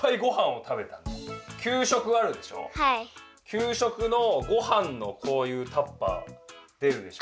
きゅう食のごはんのこういうタッパー出るでしょ？